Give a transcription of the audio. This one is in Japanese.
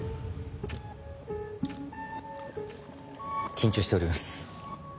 緊張しております。